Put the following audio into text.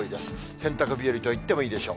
洗濯日和といってもいいでしょう。